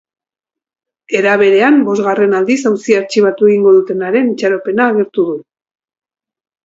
Era berean, bosgarren aldiz auzia artxibatu egingo dutenaren itxaropena agertu du.